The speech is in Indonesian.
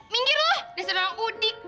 minggir lo dasar orang kudik